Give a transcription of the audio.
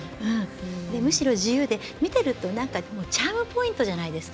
むしろ自由で、見ているとなんかチャームポイントじゃないですか。